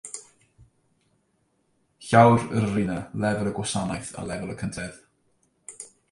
Llawr yr arena, lefel y gwasanaeth a lefel y cyntedd.